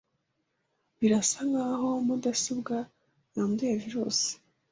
Birasa nkaho mudasobwa yanduye virusi.